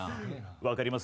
分かります。